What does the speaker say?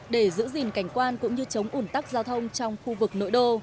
để giữ gìn cảnh quan cũng như chống ủn tắc giao thông trong khu vực nội đô